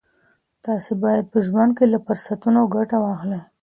تاسي باید په ژوند کي له فرصتونو ګټه واخلئ.